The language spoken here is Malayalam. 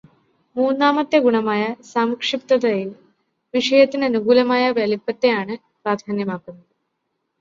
മൂന്നാമത്തെ ഗുണമായ സംക്ഷിപ്തതയിൽ വിഷയത്തിനു അനുകൂലമായ വലിപ്പത്തെയാണ് പ്രാധാന്യമാക്കുന്നത്.